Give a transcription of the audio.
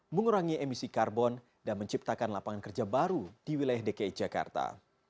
mengurangi emisi karbon dan menciptakan lapangan kerja baru di wilayah dki jakarta